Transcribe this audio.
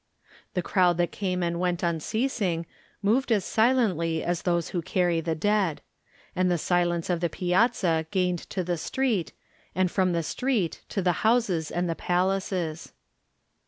The crowd that came and went unceasing moved as silently as those who carry the dead. And the silence of the piazza gained to the street, and from the street to the houses and the palaces.